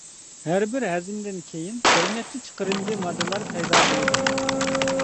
ھەربىر ھەزىمدىن كېيىن بىر نەچچە چىقىرىندى ماددىلار پەيدا بولىدۇ.